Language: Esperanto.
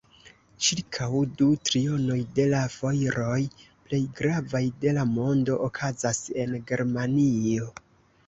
Ĉirkaŭ du trionoj de la fojroj plej gravaj de la mondo okazas en Germanio.